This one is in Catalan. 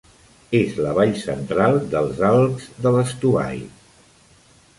És la vall central dels Alps de l'Stubai.